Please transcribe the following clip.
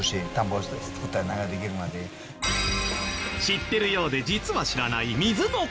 知ってるようで実は知らない水のこと。